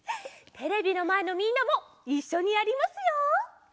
テレビのまえのみんなもいっしょにやりますよ！